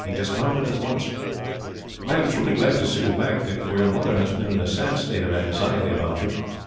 He dismounted at once. "I am truly glad to see you back, Dick, for your mother has been in a sad state of anxiety about you.